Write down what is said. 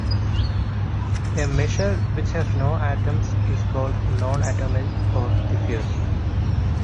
A measure which has no atoms is called non-atomic or diffuse.